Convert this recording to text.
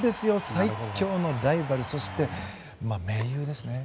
最強のライバルそして、盟友ですね。